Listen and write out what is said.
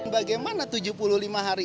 bagaimana tujuh puluh lima hari